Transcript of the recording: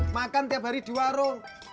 makan tiap hari di warung